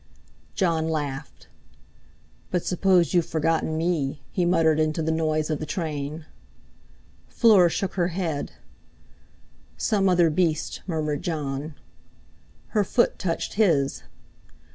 Jon laughed. "But suppose you've forgotten me," he muttered into the noise of the train. Fleur shook her head. "Some other beast—" murmured Jon. Her foot touched his.